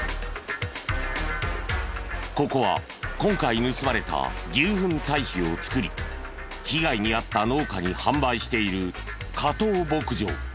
ここは今回盗まれた牛ふん堆肥を作り被害に遭った農家に販売している加藤牧場。